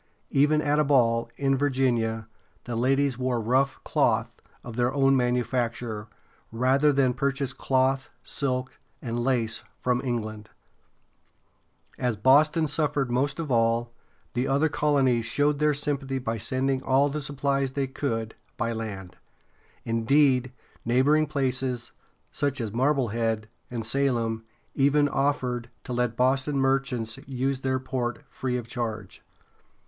Even at a ball, in Virginia, the ladies wore rough cloth of their own manufacture, rather than purchase cloth, silk, and lace from England. [Illustration: Statue of Minuteman.] As Boston suffered most of all, the other colonies showed their sympathy by sending all the supplies they could by land. Indeed, neighboring places, such as Mar ble head´ and Salem, even offered to let Boston merchants use their port free of charge.